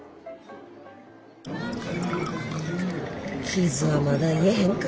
傷はまだ癒えへんか。